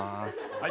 はい。